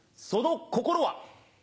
その心は。